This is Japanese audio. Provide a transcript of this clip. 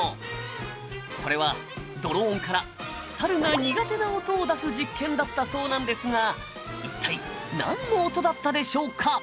それはドローンからサルが苦手な音を出す実験だったそうなんですが一体なんの音だったでしょうか？